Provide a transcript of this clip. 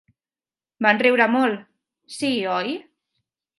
"Van riure molt." "Sí, oi?"